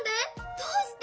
どうして？